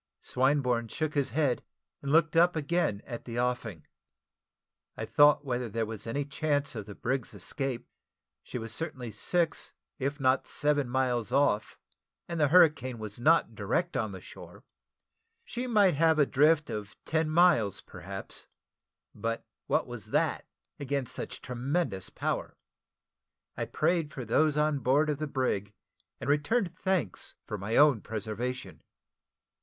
Swinburne shook his head, and looked up again at the offing. I thought whether there was any chance of the brig's escape. She was certainly six, if not seven miles off, and the hurricane was not direct on the shore. She might have a drift of ten miles, perhaps; but what was that against such tremendous power? I prayed for those on board of the brig, and returned thanks for my own preservation.